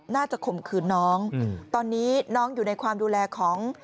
ข่มขืนน้องตอนนี้น้องอยู่ในความดูแลของ